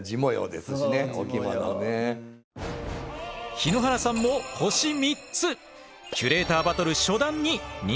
日野原さんも星３つ！